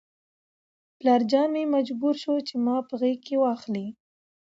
پلارجان مې مجبور شو چې ما په غېږ کې واخلي.